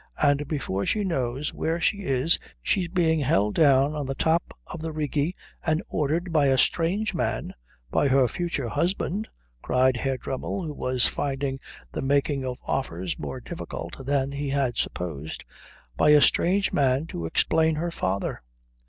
And before she knows where she is she's being held down on the top of the Rigi and ordered by a strange man " "By her future husband!" cried Herr Dremmel, who was finding the making of offers more difficult than he had supposed. " by a strange man to explain her father.